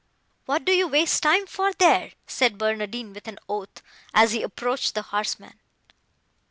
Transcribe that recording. "What do you waste time for, there?" said Barnardine with an oath, as he approached the horsemen.